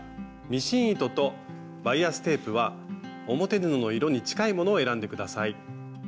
ミシン糸とバイアステープは表布の色に近いものを選んで下さい。